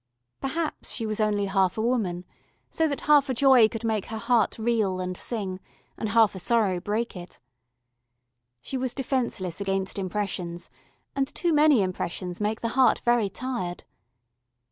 Perhaps she was only half a woman, so that half a joy could make her heart reel and sing, and half a sorrow break it. She was defenceless against impressions, and too many impressions make the heart very tired.